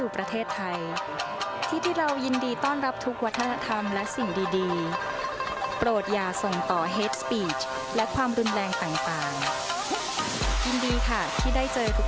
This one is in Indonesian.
berita terkini mengenai kesehatan dan keadaan indonesia